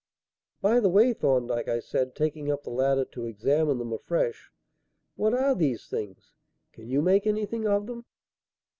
"By the way, Thorndyke," I said, taking up the latter to examine them afresh, "what are these things? Can you make anything of them?"